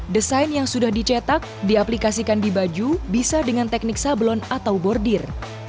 desain yang sudah dicetak diaplikasikan di baju bisa dengan teknik sablon atau bordir